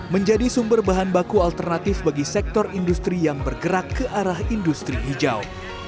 menjadi sumber bahan baku alternatif bagi sektor industri yang bergerak ke arah industri hijau